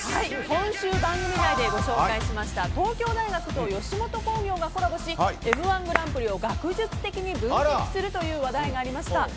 今週、番組内で紹介しました東京大学と吉本興業がコラボし「Ｍ‐１グランプリ」を学術的に分析するという話題がありました。